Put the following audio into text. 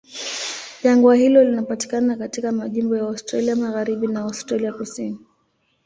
Jangwa hilo linapatikana katika majimbo ya Australia Magharibi na Australia Kusini.